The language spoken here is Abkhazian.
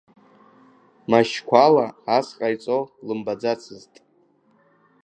Машьқәала ас ҟаиҵо лымбаӡацызт.